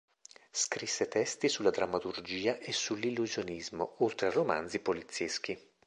Scrisse testi sulla drammaturgia e sull'illusionismo, oltre a romanzi polizieschi.